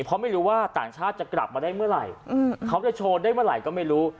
เพราะไม่รู้ว่าต่างชาติจะกลับมาได้เมื่อไหร่เขาจะโชว์ได้เมื่อไหร่ก็ไม่รู้